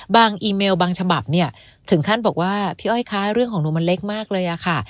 อีเมลบางฉบับเนี่ยถึงขั้นบอกว่าพี่อ้อยคะเรื่องของหนูมันเล็กมากเลยอะค่ะ